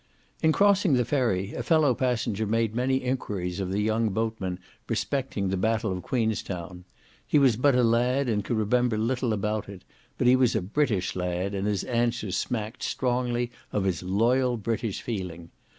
In crossing the ferry a fellow passenger made many enquiries of the young boatman respecting the battle of Queenstown; he was but a lad, and could remember little about it, but he was a British lad, and his answers smacked strongly of his loyal British feeling.